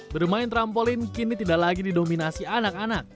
bermain trampolin kini tidak lagi didominasi anak anak